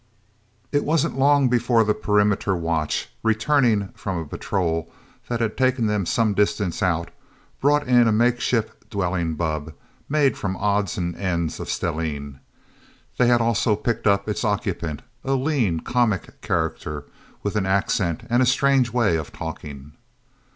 It wasn't long before the perimeter watch, returning from a patrol that had taken them some distance out, brought in a makeshift dwelling bubb made from odds and ends of stellene. They had also picked up its occupant, a lean comic character with an accent and a strange way of talking.